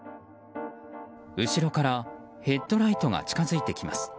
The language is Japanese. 後ろからヘッドライトが近づいてきます。